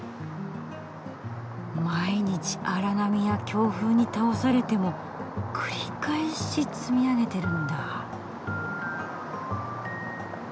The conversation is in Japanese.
毎日荒波や強風に倒されても繰り返し積み上げてるんだ。